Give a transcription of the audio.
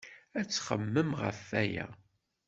Ad txemmem ɣef waya.